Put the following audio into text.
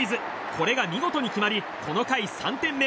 これが見事に決まりこの回３点目。